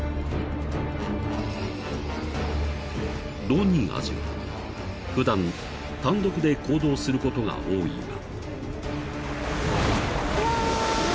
［ロウニンアジは普段単独で行動することが多いが］